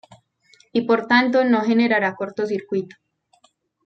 Y por lo tanto no generara corto circuito.